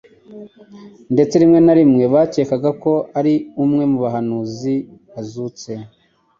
Ndetse rimwe na rimwe bakekaga ko ari umwe mu bahanuzi wazutse.